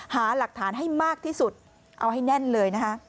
หาหลักฐานให้มากที่สุดเอาให้แน่นเลยนะคะ